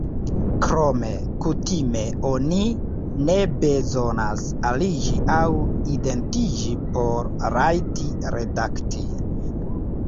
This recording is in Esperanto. Krome, kutime oni ne bezonas aliĝi aŭ identiĝi por rajti redakti.